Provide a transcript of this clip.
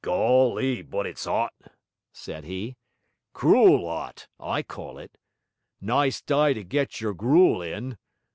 'Golly, but it's 'ot!' said he. 'Cruel 'ot, I call it. Nice d'y to get your gruel in!